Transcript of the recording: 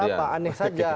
ada apa aneh saja